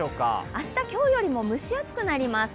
明日、今日よりも蒸し暑くなります。